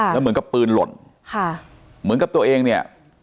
แล้วเหมือนกับปืนหล่นค่ะเหมือนกับตัวเองเนี่ย